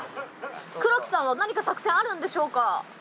黒木さんは何か作戦あるんでしょうか？